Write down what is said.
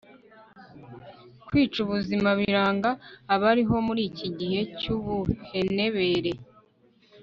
kwica ubuzima biranga abariho muri iki gihe cy'ubuhenebere